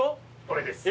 これです。